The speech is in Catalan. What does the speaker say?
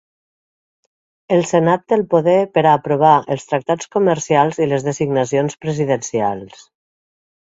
El Senat té el poder per a provar els tractats comercials i les designacions presidencials.